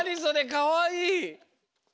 かわいい！